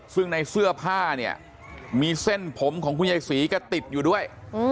ซึ่งในเสื้อผ้าเนี่ยมีเส้นผมของคุณยายศรีก็ติดอยู่ด้วย